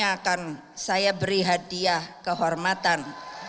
yang akan saya beri hadiah kehormatan